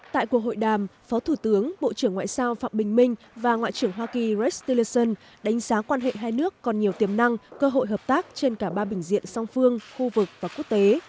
tại cuộc hội đàm phó thủ tướng bộ trưởng ngoại giao phạm bình minh và ngoại trưởng hoa kỳ rece đánh giá quan hệ hai nước còn nhiều tiềm năng cơ hội hợp tác trên cả ba bình diện song phương khu vực và quốc tế